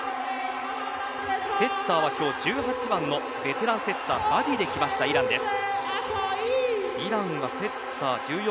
セッターは今日１８番のベテランセッター、バジェできました、イランです。